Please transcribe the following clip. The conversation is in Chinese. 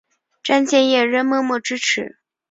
詹建业仍默默支持。